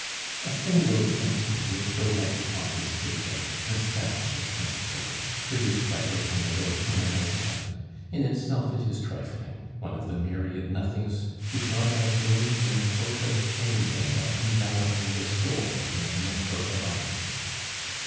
A single symptom will throw light upon this case of nostalgia (as it were) produced by breaking away from an old habit; in itself it is trifling, one of the myriad nothings which are as rings in a coat of chain mail enveloping the soul in a network of iron.